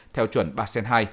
theo chuẩn ba sen hai